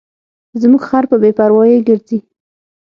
زموږ خر په بې پروایۍ ګرځي.